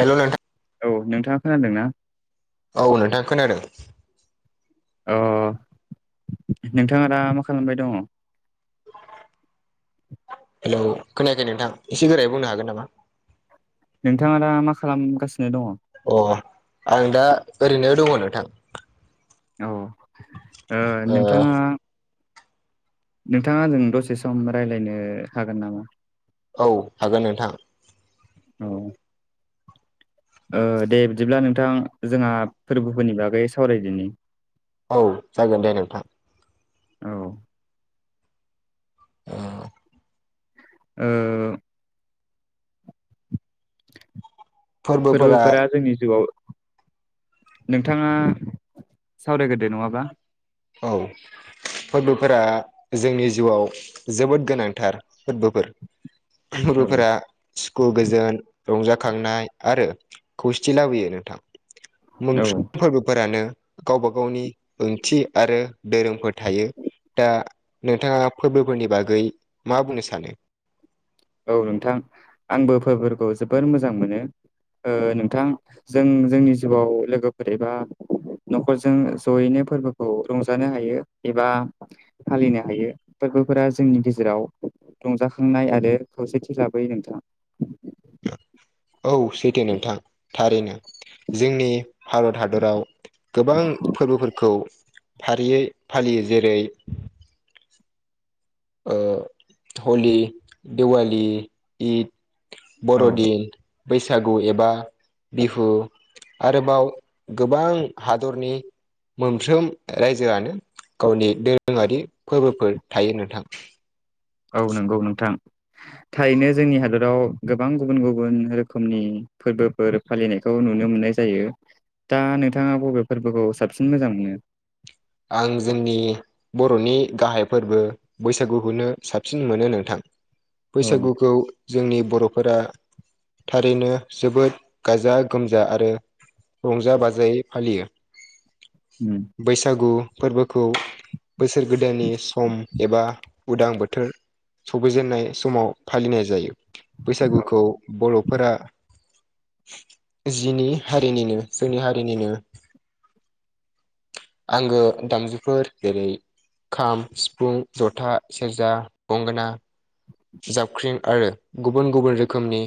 हेल' नोंथां औ नोंथाङा खोनादों ना? औ नोंथां खोनादों। अ नोंथाङा दा मा खालामबाय दङ? हेलौ खोनायाखै नोंथां एसे गोरायै बुंनो हागोन नामा। नोंथाङा दा मा खालामगासिनो दङ? अ आं दा ओरैनो दङ नोंथां। औ ओ नोंथाङा नोंथाङा जों दसे सम रायज्लायनो हागोन नामा? औ हागोन नोंथां। औ दे बिदिब्ला नोंथां जोंहा फोरबोफोरनि बागै सावरायदिनि। औ जागोन दे नोंथां। औ ओ फोरबोफोरा जोंनि जिउआव नोंथाङा सावरायग्रोदो नङाबा औ फोरबोफोरा जोंनि जिउआव जोबोद गोनांथार फोरबोफोर। औ फोरबोफोरा सुखु गोजोन रंजाखांनाय आरो खौसेथि लाबोयो नोंथां। औ मोनफ्रोम फोरबोफोरानो गावबा गावनि ओंथि आरो दोरोंफोर थायो। दा नोंथाङा फोरबोफोरनि बागै मा बुंनो सानो? औ नोंथां आंबो फोरफोरखौ जोबोर मोजां मोनो नोंथां जों जोंनि जिउआव लोगोफोर एबा न'खरजों जयैनो फोरबोखौ रंजानो हायो एबा फालिनो हायो फोरबोफोरा जोंनि गेजेराव रंजाखांनाय आरो खौसेथि लाबोयो नोंथां औ सैथो नोंथां थारैनो जोंनि भारत हादराव गोबां फोरबोफोरखौ फारियै फालियो जेरै हलि दिवलिी इद औ बर'दिन बैसागु एबा बिहु आरोबाव गोबां हादरनि मोनफ्रोम रायजोआनो गावनि दोरोङारि फोरबोफोर थायो नोंथां। औ नंगौ नोंथां। थारैनो जोंनि हादराव गोबां गुबुन गुबुन रोखोमनि फोरबोफोर फालिनायखौ नुनो मोननाय जायो दा नोंथाङा बबे फोरबोखौ साबसिन मोजां मोनो? आं जोंनि बर'नि गाहाय फोरबो बैसागुखौनो साबसिन मोनो नोंथां औ बैसागुखौ जोंनि बर'फोरा थारैनो जोबोद गाजा गोमजा आरो रंजा बाजायै फालियो। उम बैसागु फोरबोखौ बोसोर गोदाननि सम एबा उदां बोथोर सफैजेननाय समाव फालिनाय जायो बैसागुखौ बर'फोरा जिनि हारिनिनो जोंनि हारिनिनो आंगो दामजुफोर जेरै खाम सिफुं जथा सेरजा गंगोना जाबख्रिं आरो गुबुन गुबुन रोखोमनि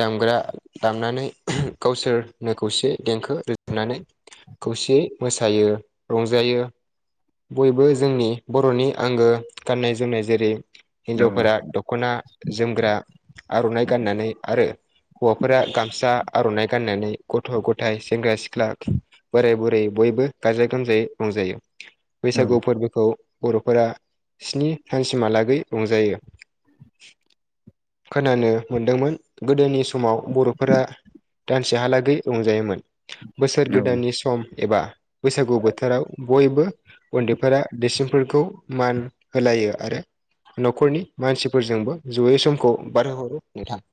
दामग्रा दामनानै ओहो गावसोरनो खौसे देंखो रोजाबनानै खौसेयै मोसायो रंजायो। बयबो जोंनि बर'नि आंगो गाननाय जोमनाय। जेरै औ हिन्जावफोरा दख'ना जोमग्रा आर'नाइ गाननानै आरो हौवाफोरा गामसा आर'नाइ गाननानै गथ' गथाइ सेंग्रा सिख्ला बोराय बुरै बयबो गाजा गोमजायै रंजायो। औ बैसागु फोरबोखौ बर'फोरा स्नि सानसिमहालागै रंजायो। खोनानो मोनदोंमोन गोदोनि समाव बर'फोरा दानसेहालागै रंजायोमोन बोसोर औ गोदाननि सम एबा गु बोथोराव बयबो उन्दैफोरा दैसिमफोरखौ मान होलायो आरो न'खरनि मानसिफोरजोंबो जयै समखौ बारहोहरो नोंथां।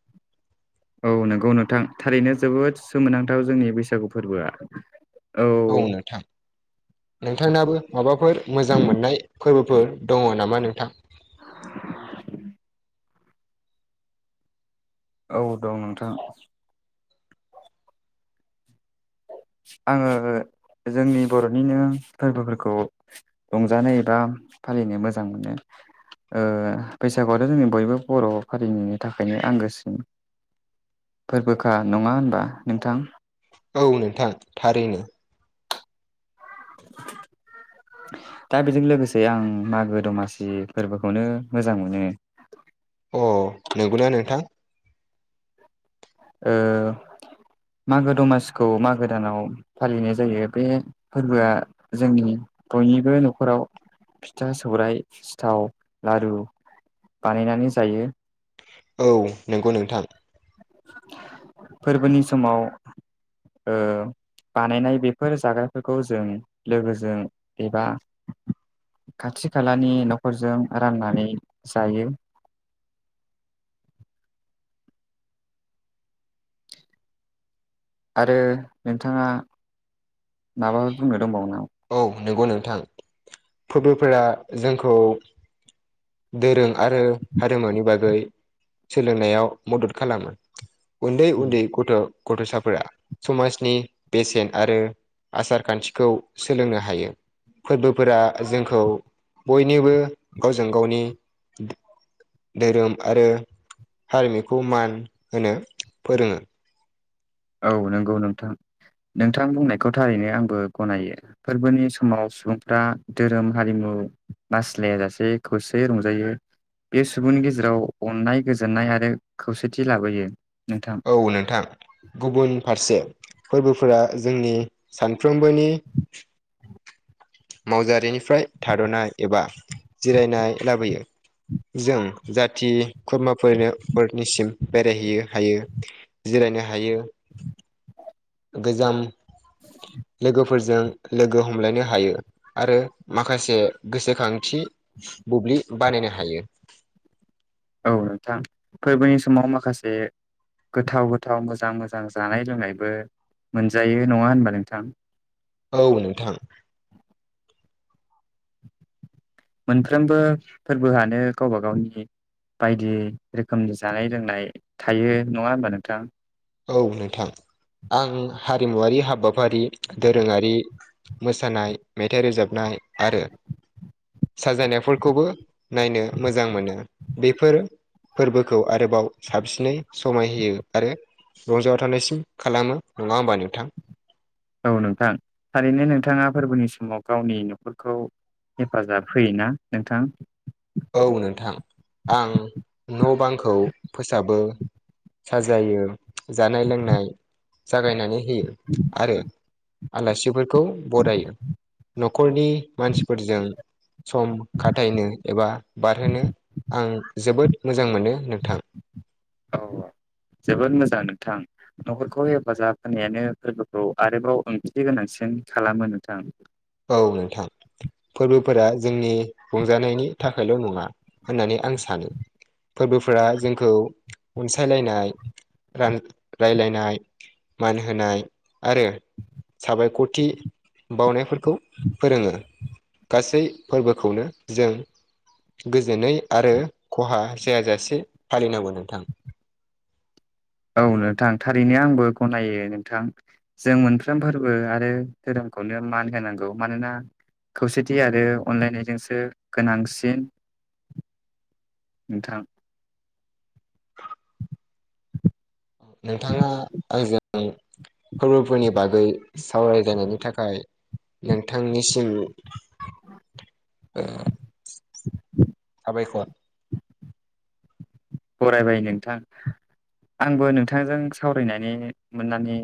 औ नंगौ नोंथां थारैनो जोबोद सोमोनांथाव जोंनि बैसागु फोरबोआ। औ नोंथां। नोंथांनाबो माबाफोर मोजां मोननाय फोरबोफोर दङ नामा नोंथां? [inaudible] औ दं नोंथां। आङो जोंनि बर'निनो फोरबोफोरखौ रंजानो एबा फालिनो मोजां मोनो। ओ बैसागुआथ' जोंनि बयबो बर' हारिनिनि थाखायनो आंगोसिन। फोरबोखा नङा होनबा नोंथां? औ नोंथां थारैनो। [inaudible] दा बेजों लोगोसे आं मागो दमासि फोरबोखौनो मोजां मोनो। अ नंगौना नोंथां? ओ मागो दमासिखौ मागो दानाव फालिनाय जायो। बे फोरबोआ जोंनि बयनिबो न'खराव फिथा सौराइ सिथाव लारु बानायनानै जायो। औ नंगौ नोंथां। फोरबोनि समाव ओ बानायनाय बेफोर जाग्राफोरखौ जों लोगोजों एबा खाथि खालानि न'खरजों राननानै जायो। आरो नोंथाङा माबाफोर बुंनो दंबावो नामा? औ नंगौ नोंथां। फोरबोफोरा जोंखौ [inaudible] दोरों आरो हारिमुनि बागै सोलोंनायाव मदद खालामो। उन्दै उन्दै गथ' गथ'साफोरा समाजनि बेसेन आरो आसार खान्थिखौ सोलोंनो हायो। फोरबोफोरा जोंखौ बयनोबो गावजों गावनि धोरोम आरो हारिमिखौ मान होनो फोरोङो। औ नंगौ नोंथां। नोंथां बुंनायखौ थारैनो आंबो गनायो। फोरबोनि समाव सुबुंफ्रा धोरोम हारिमु बासिलाया जासे खौसेयै रंजायो। बे सुबुंनि गेजेराव अननाय गोजोननाय आरो खौसेथि लाबोयो नोंथां। औ नोंथां। गुबुन फारसे फोरबोफोरा जोंनि सानफ्रोमबोनि मावजारिनिफ्राय थाद'नाय एबा जिरायनाय लाबोयो। जों जाथि खुरमाफोरनो फोरनिसिम बेरायहैनो हायो। जिरायनो हायो। [inaudible] गोजाम लोगोफोरजों लोगो हमलायनो हायो। आरो माखासे गोसोखांथि बुब्लि बानायनो हायो। औ नोंथां फोरबोनि समाव माखासे गोथाव- गोथाव मोजां -मोजां जानाय लोंनायबो मोनजायो नङा होनबा नोंथां। औ नोंथां मोनफ्रोमबो फोरबोआनो गावबा गावनि बायदि रोखोमनि जानाय लोंनाय थायो नङा होमबा नोंथां? औ नोंथां आं हारिमुवारि हाबाफारि दोरोङारि मोसानाय, मेथाइ रोजाबनाय, आरो साजायनायफोरखौबो नायनो मोजां मोनो। बेफोरो फोरबोखौ आरोबाव साबसिनै समाय होयो आरो रंजाव थानायसिम खालामो नङा होमबा नोंथां। औ नोंथां थारैनो नोंथाङा फोरबोनि समाव गावनि न'खरखौ हेफाजाब होयोना नोंथां? औ नोंथां आं न' बांखौ फोसाबो साजायो जानाय लोंनाय जागायनानै होयो आरो आलासिफोरखौ बरायो। न'खरनि मानसिफोरजों सम खाथायनो एबा बारहोनो आं जोबोद मोजां मोनो नोंथां। औ जोबोद मोजां नोंथां। न'खरखौ हेफाजाब होनायानो फोरबोखौ आरोबाव ओंथि गोनांसिन खालामो नोंथां औ नोंथां फोरबोफोरा जोंनि रंजानायनि थाखायल' नङा होननानै आं सानो फोरबोफोरा जोंखौ अनसायलायनाय रान राय्लायनाय मान होनाय आरो साबायख'थि बावनायफोर खौ फोरोङो गासै फोरबोखौनो जों गोजोनै आरो खहा जायाजासे फालिनांगौ नोंथां औ नोंथां थारैनो आंबो गनायो नोंथां जों मोनफ्रोम फोरबो आरो धोरोमखौनो मान होनांगौ। मानोना खौसेथि आरो अनलायनायजोंसो गोनांसिन नोंथां नोंथाङा आंजों फोरबोफोरनि बागै सावरायलायनायनि थाखाय नोंथांनिसिम ओ साबायख फरायबाय नोंथां आंबो नोंथांजों सावरायनानै मोननानै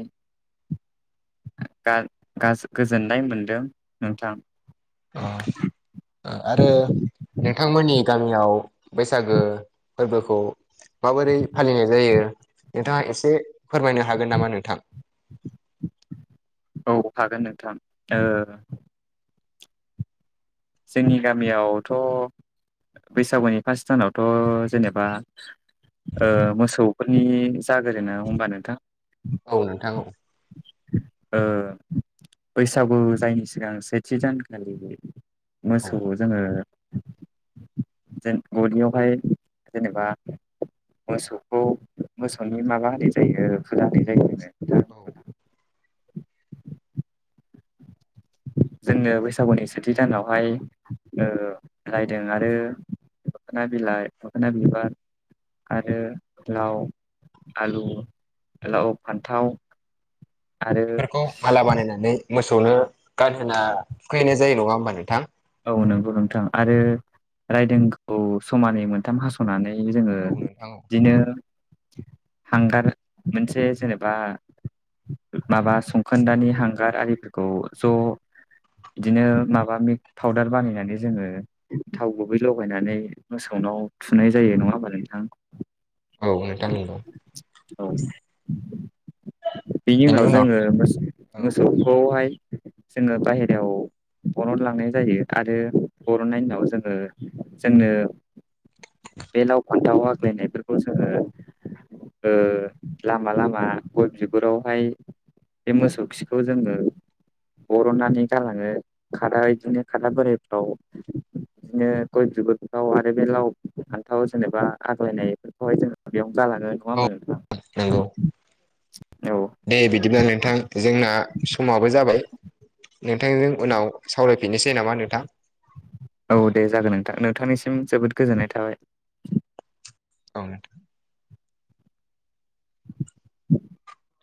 गोजोननाय मोनदों नोंथां। अ आरो नोंथांमोननि गामियाव बैसागो फोरबोखौ माबोरै फालिनाय जायो नोंथाङा एसे फोरमायनो हागोन नामा नोंथां? औ हागोन नोंथां ओ जोंनि गामियावथ' बैसागुनि फार्स सानावथ' जेनेबा मोसौफोरनि जागोर ना होमबा नोंथां औ नोंथां औ ओ बैसागु जायनि सिगां सेथि जानखालि औ मोसौ जोङो गिबिवहाय जेनेबा मोसौखौ मोसौनि माबा होनाय जायो फुजा होनाय जायो दा औ [inaudible] जोंनो बैसागुनि सेथि दानावहाय रायदों आरो मोखोना बि लाइ, मोखोना बिबार आरो लाव आलु लाव फान्थाव आरो बेफोरखौ माला बानायनानै मोसौनो गानहोना थुखैहैनाय जायो नङा होमबा नोंथां? औ नंगौ नोंथां आरो रायदोंखौ समानै मोनथाम हास नानै जोङो औ नोंथां औ बिदिनो हांगार मोनसे जेनेबा माबा संखोनदानि हांगार आरिफोरखौ ज' बिदिनो माबा मिक्क पाउदार बानायनानै जोङो थाव गुबै लगायनानै मोसौनाव थुनाय जायो नङा होमबा नोंथां? औ नोंथां नोंगौ औ बिनि उनाव जोङो मोसौ औ मोसौखौहाय जोङो बाहेरायाव बरनलांनाय जायो आरो बरननाइनाव जोङो जोंनो बे लाव फान्थाव न्थाव आगालायनायफोरखौ जोङो ओ लामा लामा गय बिगुरावहाय बे मोसौ खिखौ जोङो बरननानै गालाङो खादा बिदिनो खदा बोराइफ्राव बिदिनो गय बिगुरफोराव आरो बे लाव फान्थाव जेनेबा आग्लायनाय बेखौहाय जों बेयावनो गालांनो नङा औ होमबा नोंथां नंगौ औ दे बिदिब्ला नोंथां जोंना समाबो जाबाय नोंथांजों उनाव सावरायफिननोसै नामा नोंथां? औ दे जागोन नोंथां नोंथांनिसिम जोबोद गोजोननाय थाबाय। औ औ